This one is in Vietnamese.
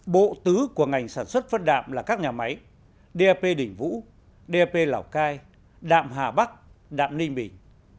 bộ tứ của ngành sản xuất phân đạm là các nhà máy dap đỉnh vũ dp lào cai đạm hà bắc đạm ninh bình